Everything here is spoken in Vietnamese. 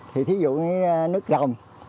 thí dụ như nước rồng